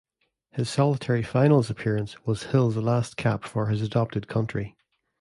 His solitary finals appearance was Hill's last cap for his adopted country.